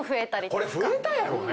これ増えたやろうね。